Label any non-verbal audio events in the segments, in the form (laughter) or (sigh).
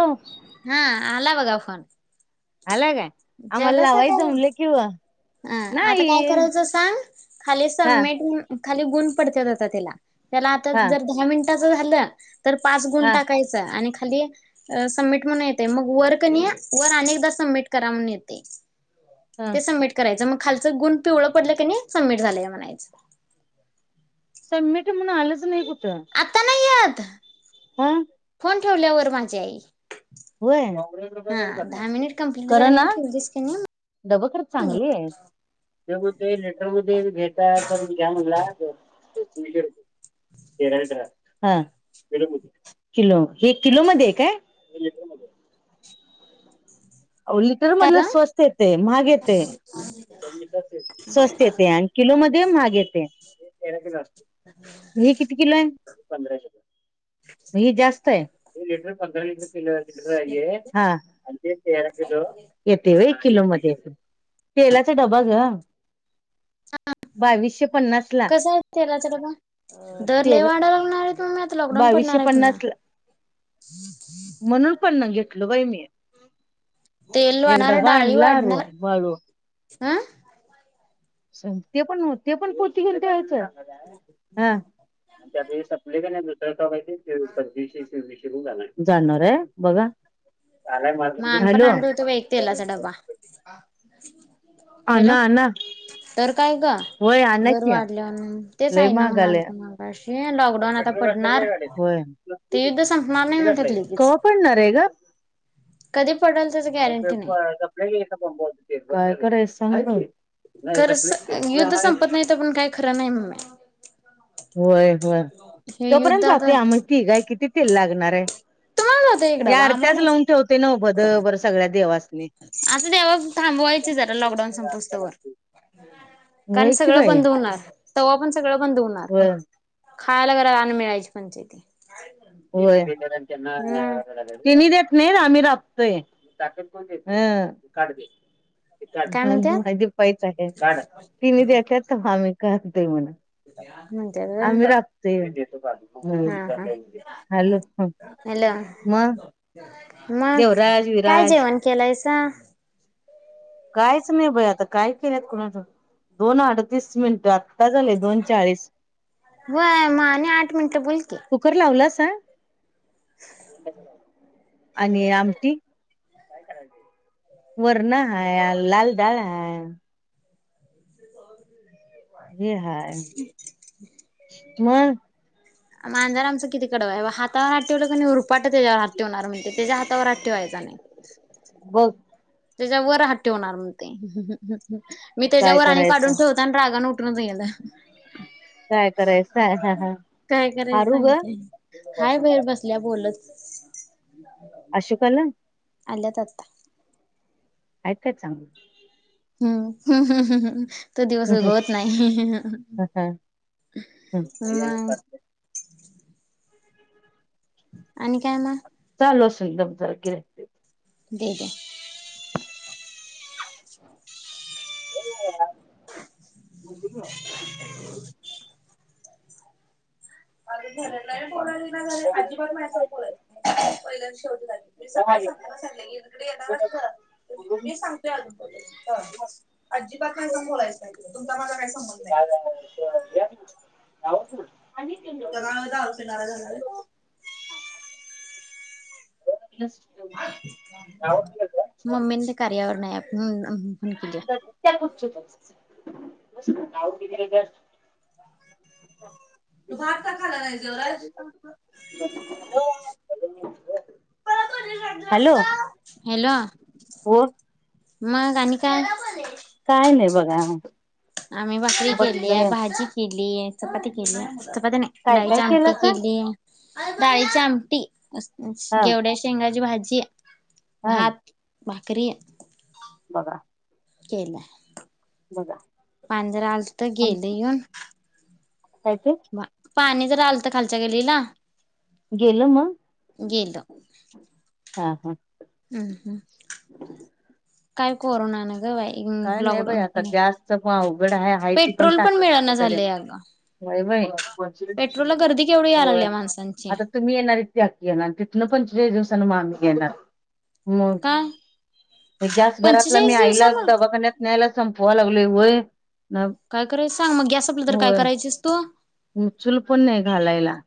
Hello हा आला बघा फोन आला काय आम्हाला लावायला जमलं की ओ अं आता काय नाही करायचं सांग खाली हा सबमिट खाली गुण पडत्यात आता त्याला त्याला आता हा जर दहा मिनिटाच झालं तर पाच गुण हा टाकायच आणि खाली सबमिट म्हणून येतय मग वर कनी आणि वर अनेकदा सबमिट करा म्हनून येतय ह ते सबमिट करायचं मग खालचं गुण पिवळं पडलं कनी सबमिट झालंय म्हणायचं सबमिट म्हणून आलंच नाही कुठं आता नाही येत हा फोन ठेवल्यावर माझी आई हा होय दहा मिनिट कंप्लीट कर झालं ना कणी ठेवलीस कणी डब खर मग चांगली ये ते मग ते लेटर मध्ये घेता तर करून घ्या म्हणला हो किलो हे किलो मध्ये काय? लिटरमध्ये आओ लिटर काय मधलं ग स्वस्त येते महाग येते स्वस्त येते आण किलो मध्ये महाग येते तेरा किलो हम् किती किला आहे पंधरा मग हे जास्त आहे लिटर पंधरा लिटर पंधरा लिटर हाय हे आणि ते तेरा किलो येतय व्हय एक किलो मध्ये तेलाचा डबा ग बावीशे पन्नास ला कसं आहे तेला चा डबा दर लई तेरा वाडा लागणार आहे मग म्हणून आता लॉकडाऊन बावीसशे पडणार हाय हॊ पन्नास ना ला पन् घेतल बाई मी तेल एकदा डबा आणला रू बाळू हा ते पण ओ ते पण पोती घेऊन ठेवायच हा ते कानी दुसरा स्टॉक आहे ते पंछीवीशे चोवीसशे पर्यंत जाणार आहे जाणार आहे बघा मग आम्ही पण हॅलो आणून ठेवतो बाई तेलाचा डबा हॅलो आणा आणा तर काय ग होय आणा दर की वाढल्या म्हूणन तेच लय आईना ना महागालय म्हणलतो म्हूणन अशी लॉकडाऊन आता पडणार होय ते युद्ध संपणार नाही म्हणतात लगेच कवा पडणार आहे ग कधी पडल त्याच गॅरंटी नाही काय करायच सांग बघ खरच युद्ध संपत नाही तर पण काय खरं नाही मम्मे होय होय हे युद्ध तोपर्यंत जातय आता मग आम्ही तिघ हाय किती तेल लागणार हाय तुम्हाला होतं एक हे डबा आरत्याच आम्हालाच लावून ठेवतोय नव भद बर सगळ्या देवास नी असुदे हॊ आता थांबवायच जरा लॉकडाऊन संपूस तवर कारण व्हय की सगळं बाई बंद होणार तवा पण सगळं बंद होणार व्हय खायला जरा आन मिळायची पंचायती ते होय म तिनी देत नाही आम्ही राबतोय ह काय म्हणत्यात तिनी देत्यात आम्ही काढतोय म्हण म्हणत्यात व्हय आम्ही राबतोय हम हा हा हॅलो ह म मंग कायं जेवणं केलं हायंसा कांहींच नाहीं बाई आंता कायं केलंत कोणांच्या दोन अडतीस मिनिटांत होयं आणि आंठ मिनटं बोलं की कुठं लावलां सा हम्मं आणि आमटी कायं करायचं वरणां हायं लांल डाळं हांय जे हांय मगं मांजार आमचं किती कडवां हाता हात ठेवलं की नाहीं रुपाटं त्यांच्यावर हात ठेवणारं म्हणते त्यांच्या हातावरांत ठेवायचां नाहीं बघं त्यांच्या वरं हात ठेवणारं म्हंण ते मी काय त्यांच्यावरं आणि करायचं काढूंन ठेवते राग उटुंण जायंना काय करायचं कायं करायचं आरू ग सांगते हांय बाहेर बसल्यां बोलतं अशोकांला आल्यांत आंता आहेतं कायं चांगलं हम्मं हम्मं हम्मं तो दिवसं उगवतं नाहीं मंग आणि कायं मंग चचांलो असणं दोन तरं खिरकिली द दे हं तो कुठे राहतो. अजूंन झाले नाहीं बोलांली नां झाले अजिबांत मायांसगं बोलायंच नाहीं पहिल्यां सकाळीं संगत सले एकलंकडे येणारं चं नां मी सांगते अजूंनले अजिबांत माझ्यां संग बोलायचं नाहीं तुमचां माझां कांहीं संबंध नाहीं. ना ना आणि (unintelligible) जगां जां फिणारलां झालं वाटलं चं मम्मी ते कार्यावर नाहीं म्हणूंन माहित नाहीं. त्यां कुठंच्या नांव की दे धरं अच्छा तो भांत कां खाल्लां नाहीं जेवणाहीस कां (unintelligible) (unintelligible) हॅलो कोणं मंग आणि कायं? कायं नाहीं बोलां आम्हीं भाकरी केली, आहे भाजी केली, चपाती केली, चपाती नाहीं. काय डाळीची काय केलं आमटी सांग केली. डाळीची आमटी, हा घेवड्यां शेंगांची भाजी, हा भांत भाकरी बघां केला बघा पांजरा आलतं गेलं आमचं येऊन. काय ते? पाणी जरा आलतं खालच्या गलीला गेलं मग? गेलं हा हा ह् ह, काय कोरोना नं गं बाय काय नाही बाई आता, गॅसच पण अवघड हाय,,, हाय ती पण पेट्रोल टाकी मिळना संपत आली. झालंय अगं. व्हय बाई,, पेट्रोलला गर्दी केवढी याय व्हय, लागल्या माणसांची. आता तुम्ही येणार इथकी येणार, तिथन पंचेचाळी दिवसांन म आम्ही घेणार मग,, काय हे गॅस घरातलं मी पंचेचाळीस आईला दिवसान? गण्यात न्यायला संपवा लागलोय वय काय करायचं सांग, मग गॅस सपला तर काय करायचीस तू? मु चूल पण नाही घालायला.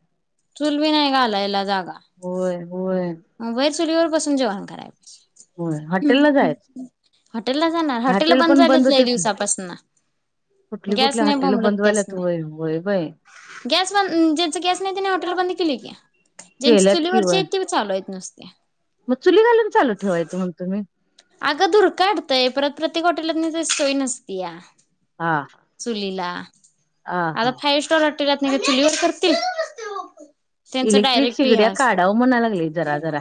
चुल बी नाही घालायला जागा. होय होय. व्हय चुलीवर बसून जेवाण करायच व्हय, हॉटेल ला जाया हाटेलला जाणार, हॉटेलं बंद झालीत लई होतेच दिवसापासनं कुठली कुठली हॉटेल बंद गॅस वायल्यात, नाही वय वय बाई. गॅस ब ज्यांच गॅस नाही. त्याने हॉटेल बंद केली की,, जांच केल्यात कि चुलीवरची होय हायत ती चालू आहेत नुसती. मग चुली घालून चालू ठेवायंच म्हणतो मी. अगं धूर काटतय, परत प्रत्येक हॉटेलात तनी सोय नसत्या हा चुलीला,,, हा हा आता फायव्ह स्टार हॉटेलत नी काय चुलीवर करतील? त्यांच इलेक्ट्रिक डायरेक्ट हे शिगड्या असतय. काढावं म्हणाय लागली जरा जरा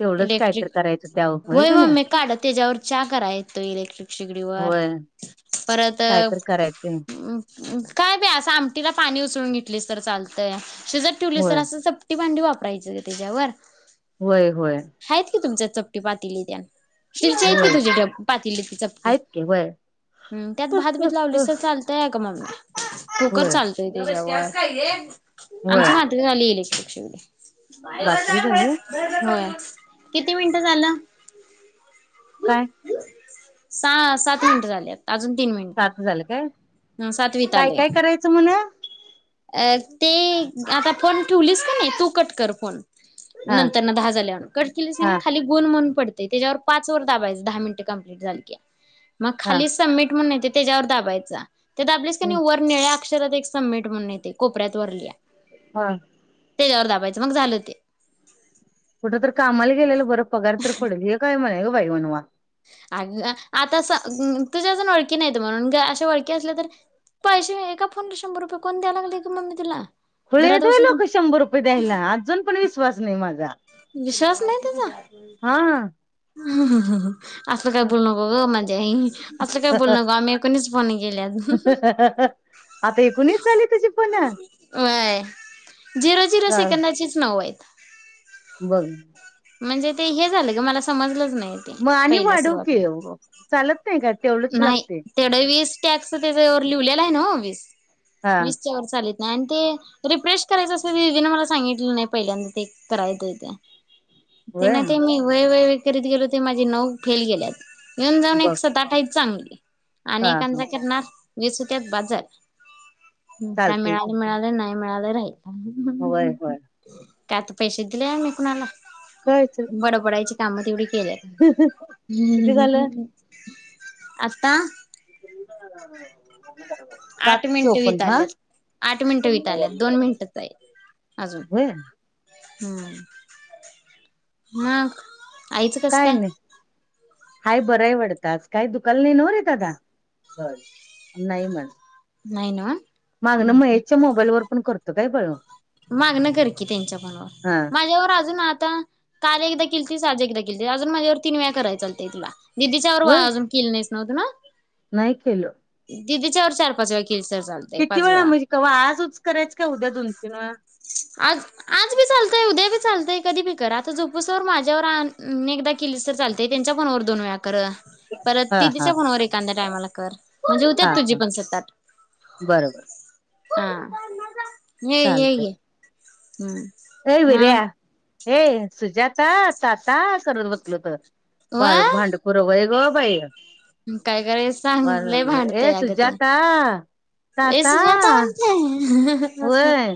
तेवढंच काय इलेक्ट्रिक तर करायचं त्या होय का नाही मम्मे काढ त्यज्यावर चा कराय एतोय इलेक्ट्रिक शिगडीवर. कायतर कराय तेन काय बी असं आमटीला पाणी उसळून घेतलीस तर चालतय, शीजत ठिवलीसतर होय असं चप टि भांडीं वापरायचं गं त्यज्यावर. होय होय. आहेत की तुमच्यात चपटी पातीली त्ये शिरच्या येत का होय तुझी पातीली त चपटी आहेत की होय ह त्यात भात बीत लावलीस चालते (unintelligible) मम्मे कुकर होय चालतय त्यज्यावर,, होय आमच्या मा त्री झाली इलेक्ट्रीक शीगडी बातरी झाली होय, किती मिनिटं झालं? काय? स सात मिनिटं झाल्यात. अजून तीन मीनीटं, सात झालं अं सातवीत आलय. चमणं अ ते आता फोन ठेवलीस का नाही,, तू कट कर फोन. नंतर ना दहा झालवरंनं,, कट किलीस क हा नाही खाली गुण म्हणून पडते, त्याच्यावर पाच वर दाबायच, दहा मिनटं कंप्लीट झाल की. मग हा खाली संमिट म्हणून येते, त्याच्यावर दाबायचं, ते दाबलस की ह नही, वर निळ्या अक्षरात, एक समीट म्हणून येते, कोपऱ्यात वरलीया. हा. त्याच्यावर दाबायचं, मग झालं ते कुठं तर कामाला गेलेलं बरं, पगार तर पडल, हे काय म्हणे ग बाई, मनवा अगं आता संग तुझ्याच न वळकी नईत, म्हणून का अशा वळखी असल्यातर पाहिजे नही, एका फोनला शंभर रुपये कोण द्याय, लागलगं मम्मी तूला? खुळेहेत व्हय लोकं, शंभर रुपये द्यायला, अजून पण विश्वास नही माझा. विश्वास नही तुझा? हा ह्हम्म ह्म. आसं काय, बोलू नको ग, माझे आई. असं काय बोलू नगं, आम्ही कूणीच फोण नई केले, आजून. हा हा हा (unintelligible) आता हे कुणी चालू (unintelligible) तुझे फोन व्हय, झिरो- झिरो सेकंदाचीच, नावं आहेत. बग. म्हणजे ते हे झालं गं, का मला समजलंच, नही. म आणि वाढवकी, चालत नही काय? नाही, तेवढ वीस टॅक्स, त्याच्यावर लिहलेला य ना ओ वीस, हा वीसच्या वर चालत नहि आण ते, रिफ्रेश करायचं असल, दिदीन मला सांगितलं नाई, पहिल्यांदा ते, करायचं, ते. होय त्यांना ते, मी व्हय-व्हय करीत गेलो, ते माझे नऊ, फेल गेल्यात. येऊन जाऊन बघ एक (unintelligible) हाय चांगली आणि हा हा एकांचं करणार ज्याच त्यात पाच हाय, काय चालते मिळा- की मिळाले नाही, मिळाले राहील. होय- होय त्यात पैशे दिले मी, कुणाला कायच? बड-बडायची कामं, तेवदि केल्या. किती झालं ह्म. आता? (inaudible) सात आठ मिनिटं चोपण का? विताल्यात. आठ मिनिटं विताल्यात दोन मिनिटच आहे (unintelligible) अजून व्हय? हम्म. मग, आइचं कस काय? हाय, बरय वाटत आज? काही दुखाल नही नव्ह रे, दादा? नाय. नाही ना. नाही न्हवं? माज न महेशच्या मोबाईल वर, पण करतो काय, बळ? मागण करकी त्यांच्या फ़ोनवर, हा माझ्यावर अजून आता काल एकदा केलतीस, आज एकदा केलतीस, अजून माझ्यावर तीन वेळा कराय चालतेय तुला, दिदीच्यावर होय अजून केली नहीस नव्हतना? नाही केल. दिदीच्या वर, चार-पाच वेळा केली तर चाल किती वेळा म्हजी, कव्हा आजच करायचं, का उद्या दोन-तीन वेळा? आज-आज बी चालतय, उद्या बी चालतंय, कधी बी कर, आता झोपूस तर, माझ्यावर आ ण एकदा केलीस तर चालतय, त्यांच्या फोनवर, दोन वेळा कर. परत हा हा दीदीच्या फोनावर एखांद्या टायमाला कर, म्हणजे हा होत्यात, तुझी हा पण सात-आठ. बरोबर हा ये ये चालतय ये हम्म ए विर्या, मग हे सुजाता ताता करत बसल होत. बाळ व भांडखोर व्हय ग बाई. काय करायच सांग बाळ लय म्हणल, भांडतय ए अगं ते सुजाता. ए ताता सुजाता म्हटल, होय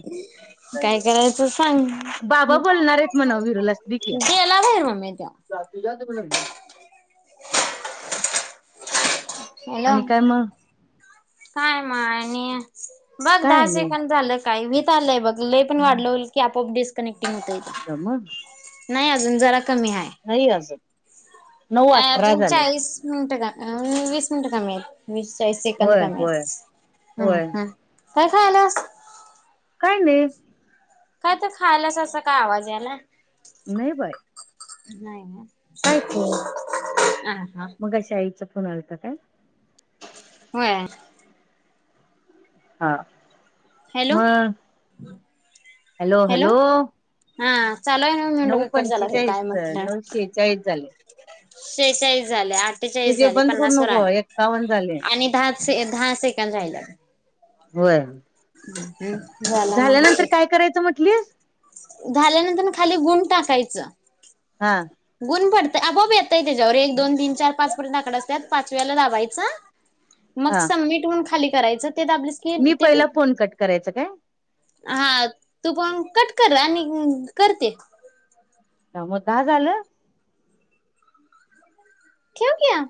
काय करायच सांग. बाबा बोलणार आहेत म्हणाव विरुला दे कि. गेला बाहेर मम्मी त्यो आणि हॅलो काय मग. काय माय आणि, बघ काय दहा नाही सेकंद झाल का. व्हीत आलय बघ. लई पण वाढल की आपोआप डिस्कनेक्टिंग होतय ते. दम नाही अजून जरा कमी आहे. नाही अजून नऊ अठरा झाले. मिनिट, वीस मिनिट कमी आहेत. वीस चाळीस सेकंद होय कमी होय आहेत. ह होय ह काय खायलयास. काय नाही. काय तर खायलास अस काय आवाज यायलाय. नाही बाय. नाही अ, हा हा कशाईच फोन आलता काय? होय. हा हॅलो मग, हॅलो हॅलो. हा चालूय ना, मी नऊ म्हटलो कट झाला पंचेचाळीस काय म्हटल. नऊ शेहेचाळीस झाले शेचाळीस झाले, अठ्ठेचाळीस तुझे झाले, बंद करू पन्नास वर नको आले. एक्कावन्न झाले. आणि दहा दहा सेंकंद राहिल्यात. होय. (unintelligible) झाल्यानंतर होते काय करायच म्हटलीस. झाल्यानंतर खाली गुण टाकायच. हा गुण पडत, अपोआप येतय त्याच्यावर. एक, दोन, तीन, चार, पाच पर्यंत आकड असतात. पाचव्याला दाबायचा. (inaudible) मग सबमिट म्हून खाली करायच ते दाबलीस की मी ते पहिला फोन कट करायच काय? हा तू पण कट कर. आणि कर ते. त्यामुळ दहा झाल. ठेव की आ